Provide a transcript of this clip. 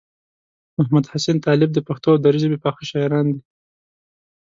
محمدحسین طالب د پښتو او دري ژبې پاخه شاعران دي.